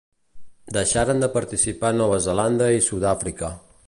Deixaren de participar Nova Zelanda i Sud-àfrica.